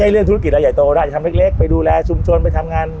การเมืองขาดเราไม่ได้มาที่แดงฮาตาย